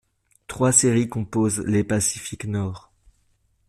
Trois séries composent les Pacific Nord.